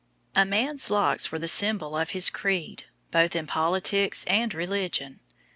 A man's locks were the symbol of his creed, both in politics and religion.